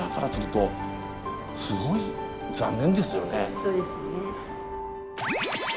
そうですよね。